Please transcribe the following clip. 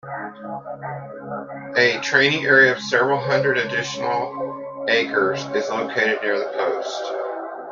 A training area of several hundred additional acres is located near the post.